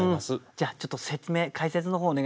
じゃあちょっと説明解説の方お願いできますか。